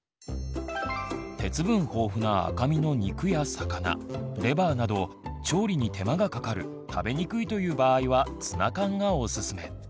鉄分豊富な赤身の肉や魚レバーなど調理に手間がかかる食べにくいという場合はツナ缶がおすすめ。